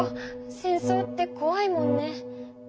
戦争ってこわいもんね。